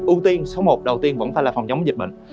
ưu tiên số một đầu tiên vẫn phải là phòng chống dịch bệnh